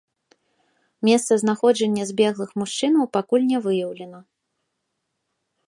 Месца знаходжання збеглых мужчынаў пакуль не выяўлена.